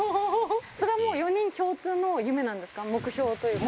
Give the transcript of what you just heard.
それはもう、４人共通の夢なんですか、目標というか。